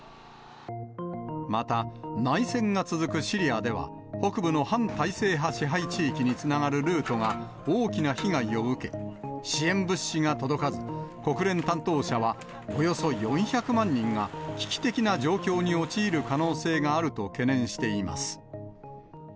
また、内戦が続くシリアでは、北部の反体制派支配地域につながるルートが大きな被害を受け、支援物資が届かず、国連担当者は、およそ４００万人が危機的な状況に陥る可能性があると懸念しています。